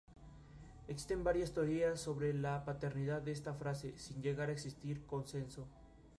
Existen varias teorías sobre la paternidad de esta frase, sin llegar a existir consenso.